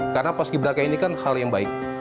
karena pas keberakai ini kan hal yang baik